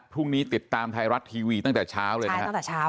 พรุ่งนี้ติดตามไทรัฐทีวีตั้งแต่เช้าเลยนะครับ